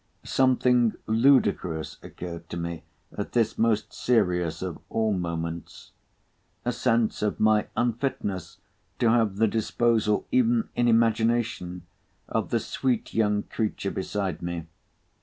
Something ludicrous occurred to me at this most serious of all moments—a sense of my unfitness to have the disposal, even in imagination, of the sweet young creature beside me.